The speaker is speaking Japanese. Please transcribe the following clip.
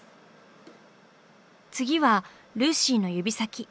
次はルーシーの指先。